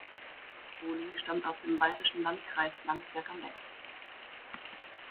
Boning stammt aus dem bayerischen Landkreis Landsberg am Lech.